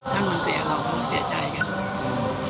ท่านมาเสียเราเขาเสียใจกัน